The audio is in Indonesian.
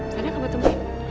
sadang apa teman